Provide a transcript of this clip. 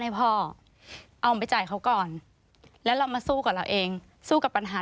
ให้พ่อเอาไปจ่ายเขาก่อนแล้วเรามาสู้กับเราเองสู้กับปัญหา